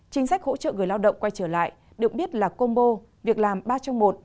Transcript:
chính sách hỗ trợ người lao động quay trở lại được biết là combo việc làm ba trong một